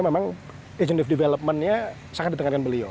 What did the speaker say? memang agent of developmentnya sangat ditengan beliau